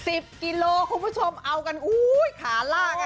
สิบกิโลคุณผู้ชมเอากันอุ้ยขาลากอ่ะ